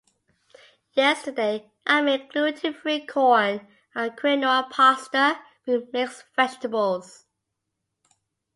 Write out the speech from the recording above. Yesterday I made gluten-free corn and quinoa pasta with mixed vegetables.